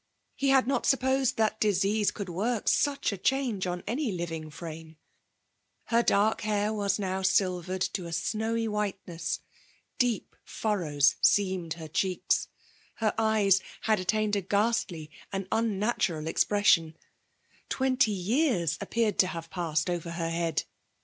He had not supposed that diseaee could work such a change on any living faaste. Her dark hair was now sitvered to a snowjf whiteness; deep furrows seamed her cheeks; her eyes had attained a ghastly and unnatural not ALB BOHI1UTJOKJ[ 34$ escpremon; twenty jbslts appeared to liftva p«B6ed 0ver her head